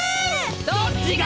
どっちが？